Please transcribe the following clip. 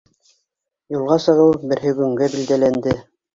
Юлға сығыу берһегөнгә билдәләнде.